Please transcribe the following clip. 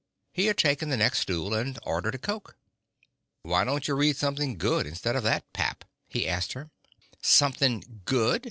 He had taken the next stool and ordered a coke. "Why don't you read something good, instead of that pap?" he asked her. "Something good?